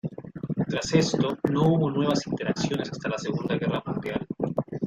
Tras esto, no hubo nuevas interacciones hasta la Segunda Guerra Mundial.